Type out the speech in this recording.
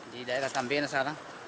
di daerah tambiena sana